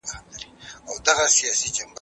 دا کار باید وسي.